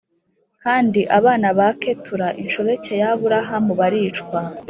Kandi abana ba Ketura inshoreke ya Aburahamu baricwa